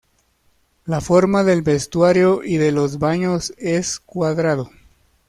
La forma del vestuario y de los baños es cuadrado.